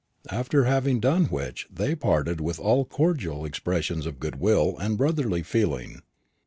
After having done which, they parted with all cordial expressions of good will and brotherly feeling.